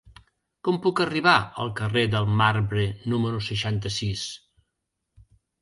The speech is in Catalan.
Com puc arribar al carrer del Marbre número seixanta-sis?